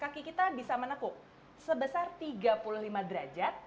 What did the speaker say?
kaki kita bisa menekuk sebesar tiga puluh lima derajat